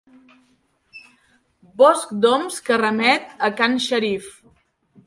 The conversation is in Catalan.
Bosc d'oms que remet a can Shariff.